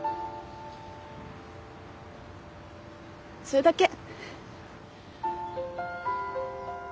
それだけ。